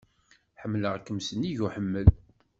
Ḥemmleɣ-kem s nnig uḥemmel.